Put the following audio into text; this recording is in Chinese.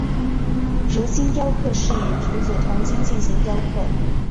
竹青雕刻是以竹子筒茎进行雕刻。